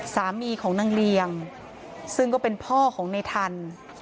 สามีของนางเลียงซึ่งก็เป็นพ่อของในทัน